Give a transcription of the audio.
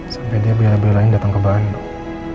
sampe dia biar biar lain dateng ke bandung